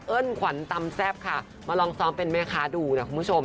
เอิ้นขวันตำแซ่บมาลองซ้อมเป็นแมวค้าดูนะคุณผู้ชม